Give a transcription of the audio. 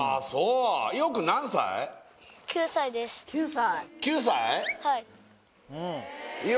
９歳？